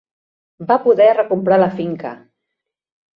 Va poder recomprar la finca.